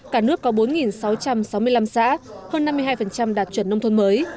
cả nước có bốn sáu trăm sáu mươi năm xã hơn năm mươi hai đạt chuẩn nông thôn mới